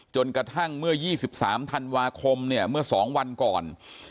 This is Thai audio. จนกระทั่งเมื่อ๒๓ธันวาคมเนี่ยเมื่อ๒วันก่อน